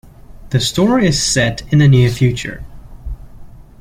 The story is set in the near future.